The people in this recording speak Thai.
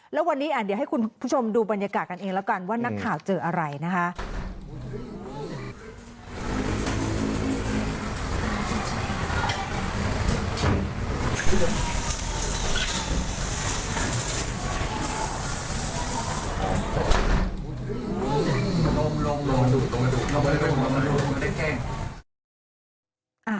แล้ววันนี้เดี๋ยวให้คุณผู้ชมดูบรรยากาศกันเองแล้วกันว่านักข่าวเจออะไรนะคะ